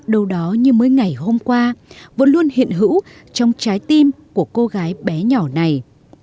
đâu đó như mới ngày hôm qua vẫn luôn hiện hữu trong trái tim của cô gái bé nhỏ này